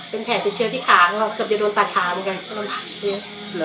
เป็นแผลติดเชื้อที่ขาของเราเกือบจะโดนตัดขาเหมือนกัน